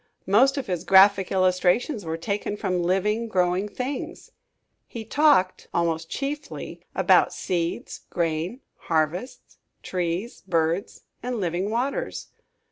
Most of his graphic illustrations were taken from living, growing things. He talked, almost chiefly, about seeds, grain, harvests, trees, birds and living waters.